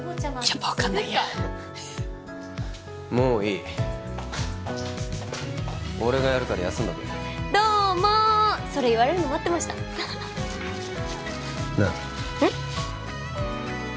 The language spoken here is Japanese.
やっぱ分かんないやもういい俺がやるから休んどけどうもそれ言われるの待ってましたなあうん？